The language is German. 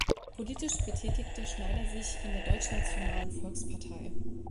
Politisch betätigte Schneider sich in der Deutschnationalen Volkspartei.